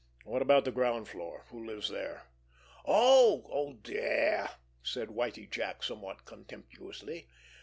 What about the ground floor? Who lives there?" "Oh, dere!" said Whitie Jack somewhat contemptuously.